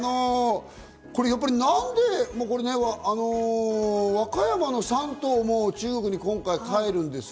これ、和歌山の３頭も中国に今回、帰るんですよ。